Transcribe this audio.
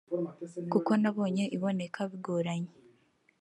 kuko nabonye iboneka bigoranye